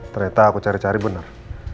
ternyata aku cari cari benar